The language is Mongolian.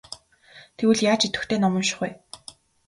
Тэгвэл яаж идэвхтэй ном унших вэ?